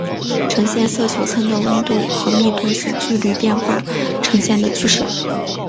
呈现色球层的温度和密度随距离变化呈现的趋势。